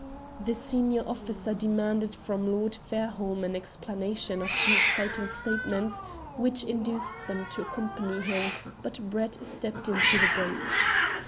The senior officer demanded from Lord Fairholme an explanation of the exciting statements which induced them to accompany him, but Brett stepped into the breach.